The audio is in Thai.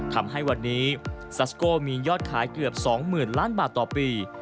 ทำให้วันนี้ซัสโก้มียอดขายเกือบ๒๐๐๐ล้านบาทต่อปี